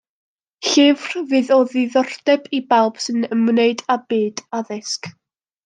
Llyfr fydd o ddiddordeb i bawb sy'n ymwneud â byd addysg.